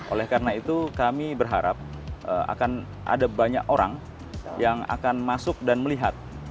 oleh karena itu kami berharap akan ada banyak orang yang akan masuk dan melihat